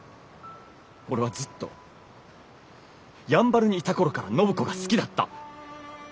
俺はずっとやんばるにいた頃から暢子が好きだった。